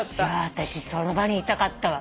私その場にいたかったわ。